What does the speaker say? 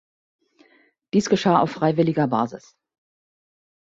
Dies geschah auf freiwilliger Basis.